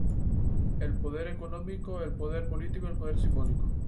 El poder económico, el poder político y el poder simbólico".